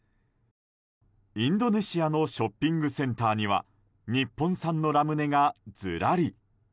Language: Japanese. インドネシアのショッピングセンターには日本産のラムネが、ずらり。